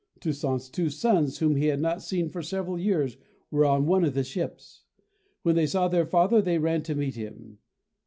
Toussaint's two sons, whom he had not seen for several years, were on one of the ships. When they saw their father they ran to meet him.